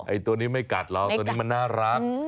ไอ้ตัวนี้ไม่กัดแล้วตัวนี้มันน่ารัก